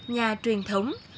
nhà truyền thống